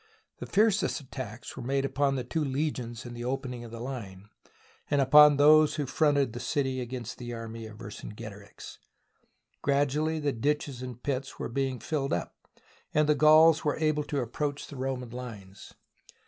The fiercest attacks were made on the two legions in the opening of the line, and upon those who fronted the city against the army of Vercinge torix. Gradually the ditches and pits were being filled up, and the Gauls were able to approach the THE BOOK OF FAMOUS SIEGES Roman lines.